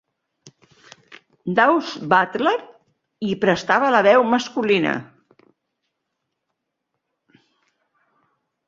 Daws Butler hi prestava la veu masculina.